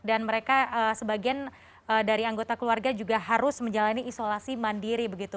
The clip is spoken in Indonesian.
dan mereka sebagian dari anggota keluarga juga harus menjalani isolasi mandiri begitu